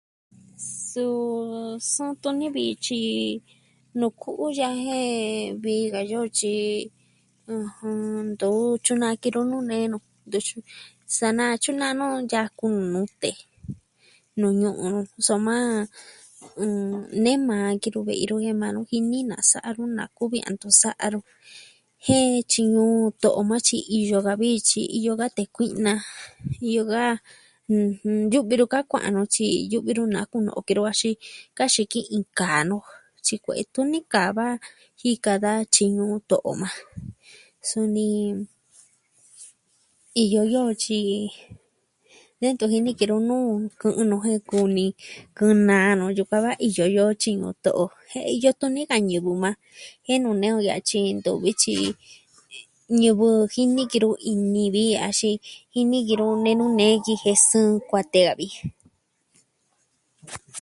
Suu... sɨɨn tuni vi tyi nu ku'u ya'a jen vii ka yo tyi... ɨjɨn... ntu tyunaa ki nu nee nu, sa na tyunaa nu yaku nute. Nu ñu'un nu soma... nee maa kinu ve'i nu jen maa nu jini na sa'a nu na kuvi a ntu sa'a nuu. Jen tyi ñuu to'o maa tyi iyo ka vi tyi iyo ka tee kuina, iyo ka, ɨjɨn, yu'vi nuu kaa kua'a nu tyi yu'vi na kunoo kinoo axin kaxi ki'in kaa nu tyi kue'e tuni kaa daa, jika da tyi ñuu to'o maa. Suni... iyo yoo tyi... ya ntu jini kinoo nu kɨ'ɨn nu jen kumi, kɨ'ɨ naa nu yukuan da iyo yoo tyi nute o. Jen, iyo tuni ka ñivɨ maa. Jen nuu nee o ya'a tyi ñivɨ jin ki nu ini vi axin jini ki nu nenu nee ki ji sɨɨn kuatee a vi.